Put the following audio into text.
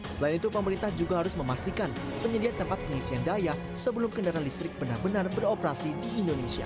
selain itu pemerintah juga harus memastikan penyediaan tempat pengisian daya sebelum kendaraan listrik benar benar beroperasi di indonesia